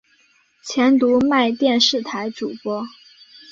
前读卖电视台主播。